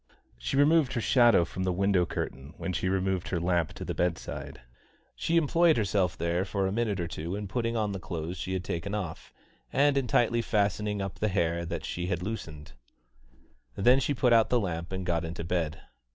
She removed her shadow from the window curtain when she removed her lamp to the bedside. She employed herself there for a minute or two in putting on the clothes she had taken off, and in tightly fastening up the hair that she had loosened; then she put out the lamp and got into bed.